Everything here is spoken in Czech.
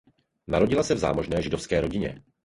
Narodila se v zámožné židovské rodině.